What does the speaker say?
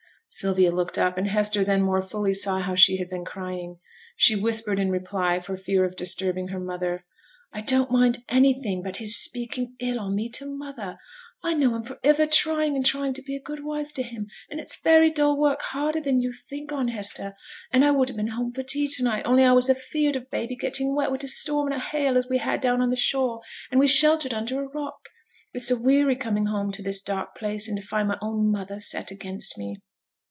Sylvia looked up, and Hester then more fully saw how she had been crying. She whispered in reply, for fear of disturbing her mother, 'I don't mind anything but his speaking ill on me to mother. I know I'm for iver trying and trying to be a good wife to him, an' it's very dull work; harder than yo' think on, Hester, an' I would ha' been home for tea to night only I was afeared of baby getting wet wi' t' storm o' hail as we had down on t' shore; and we sheltered under a rock. It's a weary coming home to this dark place, and to find my own mother set against me.'